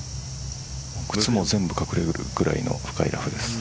靴も全部隠れるぐらいの深いラフです。